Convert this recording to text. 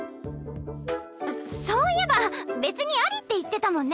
そそういえば別にありって言ってたもんね